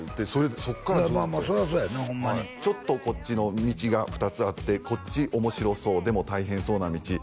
そらそうやわホンマにちょっとこっちの道が２つあってこっち面白そうでも大変そうな道